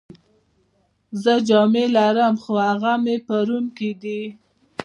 زه جامې لرم، خو هغه مې په روم کي دي.